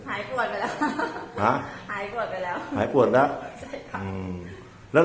หายปวดไปแล้วฮะหายปวดไปแล้วหายปวดแล้ว